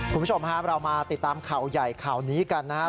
คุณผู้ชมครับเรามาติดตามข่าวใหญ่ข่าวนี้กันนะครับ